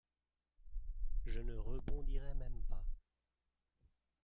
Je ne rebondirai même pas.